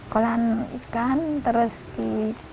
kolam ikan terus di